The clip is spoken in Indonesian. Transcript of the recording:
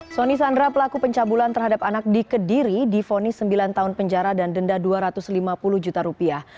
soni sandra pelaku pencabulan terhadap anak di kediri difonis sembilan tahun penjara dan denda dua ratus lima puluh juta rupiah